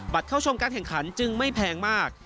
เข้าชมการแข่งขันจึงไม่แพงมาก